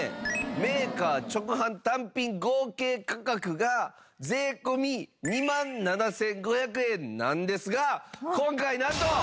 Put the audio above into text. メーカー直販単品合計価格が税込２万７５００円なんですが今回なんと。